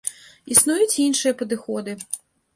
Існуюць і іншыя падыходы.